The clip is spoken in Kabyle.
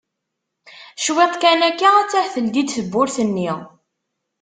Cwiṭ kan akka attah teldi-d tewwurt-nni.